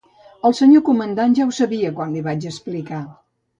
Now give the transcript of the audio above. El senyor Comandant ja ho sabia quan li vaig explicar.